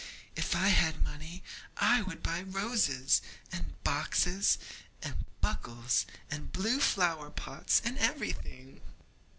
if I had money I would buy roses, and boxes, and buckles, and blue flower pots, and everything.'